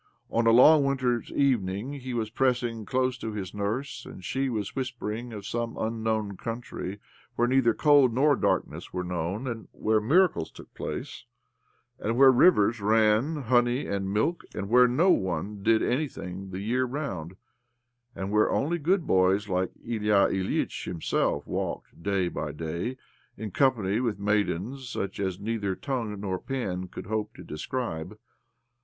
On a long winter's evening he was pressing close to his nurse, and she was whispering of some unknown country where neither cold nor darkness were known, and where miracles took place, and where rivers ran honey and milk, and where no one did any thing the year round, and where only good boys like Ilya Ilyitch himself walked day by day in company with maidens such as neither tongue nor pen could hope to describe.